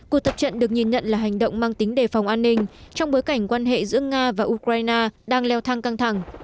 cuộc tập trận được nhìn nhận là hành động mang tính đề phòng an ninh trong bối cảnh quan hệ giữa nga và ukraine đang leo thang căng thẳng